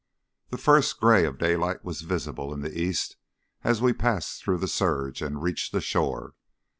The first grey of daylight was visible in the east as we passed through the surge and reached the shore.